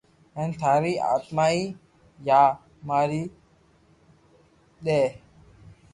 ھين ٿاري آتماني ڀآ ماري دآيو